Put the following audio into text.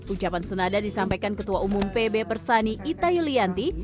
ucapan senada disampaikan ketua umum pb persani ita yulianti